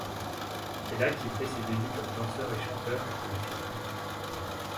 C'est là qu'il fait ses débuts comme danseur et chanteur avec ses frères.